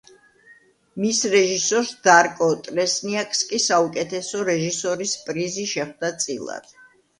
მის რეჟისორს დარკო ტრესნიაკს კი საუკეთესო რეჟისორის პრიზი შეხვდა წილად.